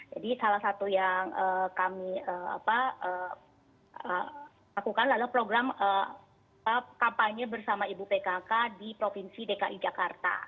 jadi salah satu yang kami lakukan adalah program kampanye bersama ibu pkk di provinsi dki jakarta